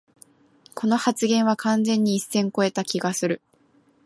この発言は完全に一線こえた気がする